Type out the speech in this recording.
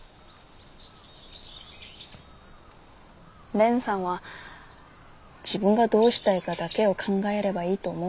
蓮さんは自分がどうしたいかだけを考えればいいと思うんです。